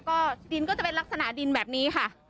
ก็ดินก็จะเป็นลักษณะดินแบบนี้ค่ะ